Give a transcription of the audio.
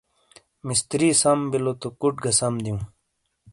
مِستری سَم بِیلو تو کُٹ گا سم دِیوں ۔